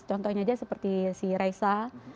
contohnya aja seperti si raisa